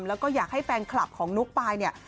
แล้วก็อยากให้แฟนคลับของนุ๊กปายเนี่ย